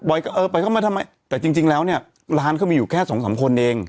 เออไปเข้ามาทำไมแต่จริงแล้วเนี่ยร้านเขามีอยู่แค่สองสามคนเอง